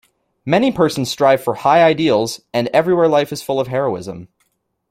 Many persons strive for high ideals, and everywhere life is full of heroism.